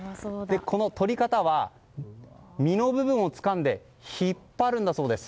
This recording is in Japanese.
この取り方は実の部分をつかんで引っ張るんだそうです。